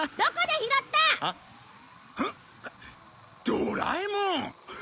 ドラえもん！